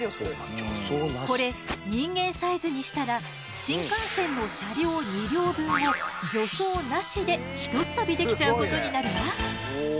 これ人間サイズにしたら新幹線の車両２両分を助走なしでひとっ跳びできちゃうことになるわ。